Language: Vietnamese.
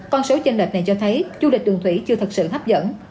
con số trên lệch này cho thấy du lịch đường thủy chưa thật sự hấp dẫn